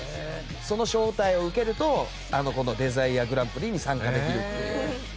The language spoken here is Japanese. その招待を受けるとデザイアグランプリに参加できるという。